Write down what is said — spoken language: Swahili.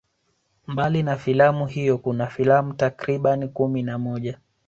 Mbali na filamu hiyo kuna filamu takribani kumi na moja